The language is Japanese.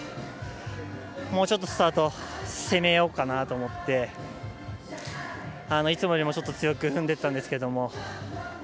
もうちょっとスタートで攻めようかなと思っていつもよりちょっと強く踏んでいったんですが。